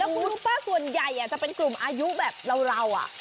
คุณรู้ป่ะส่วนใหญ่จะเป็นกลุ่มอายุแบบเรา